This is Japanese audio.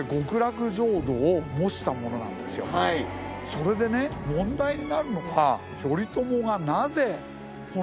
それでね問題になるのが頼朝が。